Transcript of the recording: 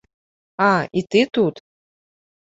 А, і ты тут!